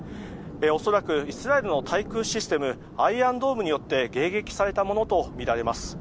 恐らくイスラエルの対空システムアイアンドームによって迎撃されたものとみられます。